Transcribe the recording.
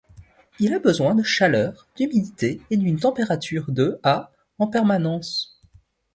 Il a besoin de chaleur, d'humidité et d'une température de à en permanence.